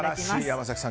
山崎さん